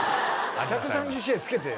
１３０試合つけて。